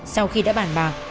sau khi đã bản bạc